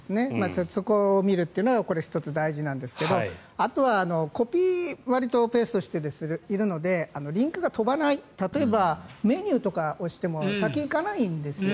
そこを見るというのがこれが１つ大事なんですけどあとはコピー・ペーストしているのでリンクが飛ばない例えば、メニューとかを押しても先に行かないんですよ。